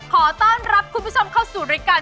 ขอต้อนรับคุณผู้ชมเข้าสู่รายการ